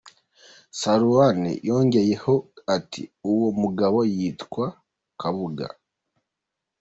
Sarunei yongeye ho ati :“ Uwo mugabo yitwa Kabuga”.